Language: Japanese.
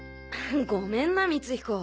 ごめんな光彦。